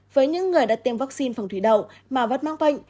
với những người đã tiêm vaccine phòng thủy đậu mà vẫn mang bệnh